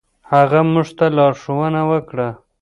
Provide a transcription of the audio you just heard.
هغه موږ ته لارښوونه وکړه.